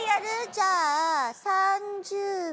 じゃあ３０秒で。